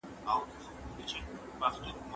دوې پښې په يوه پايڅه کي نه ځائېږي.